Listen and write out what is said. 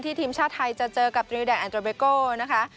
ที่ทีมชาติไทยจะเจอกับธิมสินแดงอันโดบิเก้านะคะ